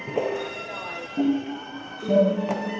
สวัสดีครับทุกคน